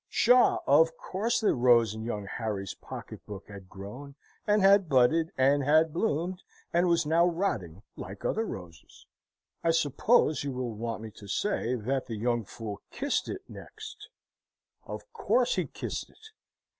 Psha! Of course that rose in young Harry's pocket book had grown, and had budded, and had bloomed, and was now rotting, like other roses. I suppose you will want me to say that the young fool kissed it next? Of course he kissed it.